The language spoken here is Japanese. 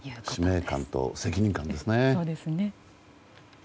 使命感の責任感ですね。